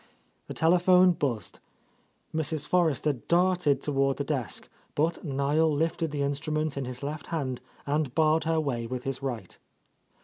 The telephone buzzed. Mrs. Forrester darted toward the desk, but Niel lifted the instru ment in his left hand and barred her way with his right.